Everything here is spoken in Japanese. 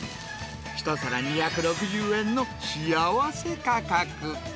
１皿２６０円の幸せ価格。